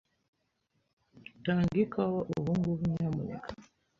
Tanga ikawa ubungubu, nyamuneka.